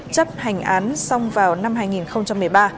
chấp hành án xong vào năm hai nghìn một mươi ba